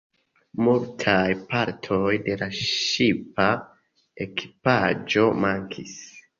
Multaj partoj de la ŝipa ekipaĵo mankis.